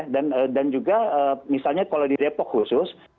dan juga misalnya kalau di depok khusus